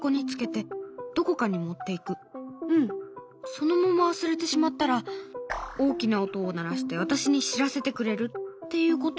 そのまま忘れてしまったら大きな音を鳴らして私に知らせてくれるっていうことなんだけど。